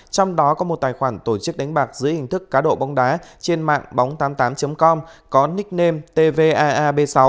trong đó có một tài khoản tổ chức đánh bạc dưới hình thức cá độ bóng đá trên mạng bóng tám mươi tám com có nickname tvaab sáu